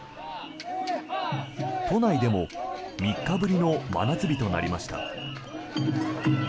都内でも３日ぶりの真夏日となりました。